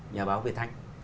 nhà báo việt thanh